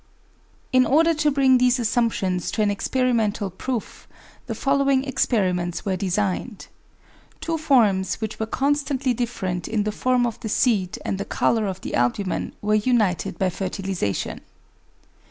1 In order to bring these assumptions to an experimental proof, the following experiments were designed. Two forms which were constantly different in the form of the seed and the colour of the albumen were united by fertilisation.